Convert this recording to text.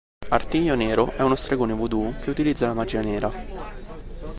Artiglio Nero è uno stregone voodoo che utilizza la magia nera.